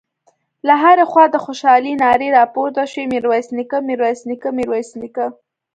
له هرې خوا د خوشالۍ نارې راپورته شوې: ميرويس نيکه، ميرويس نيکه، ميرويس نيکه….